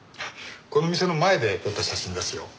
この店の前で撮った写真ですよ。